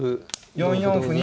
４四歩に。